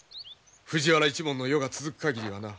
藤原一門の世が続く限りはな。